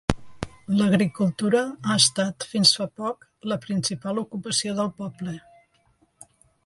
L'agricultura ha estat, fins fa poc, la principal ocupació del poble.